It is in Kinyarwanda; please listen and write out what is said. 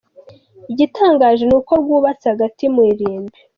Igitangaje ni uko rwubatse hagati mu irimbi.